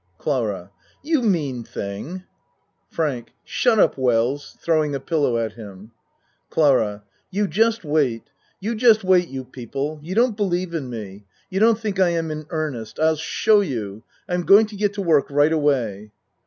CLARA You mean thing ! FRANK Shut up, Wells. (Throwing a pillow at him.) CLARA You just wait you just wait, you peo ple. You don't believe in me. You don't think I am in earnest. I'll show you. I am going to get to work right away.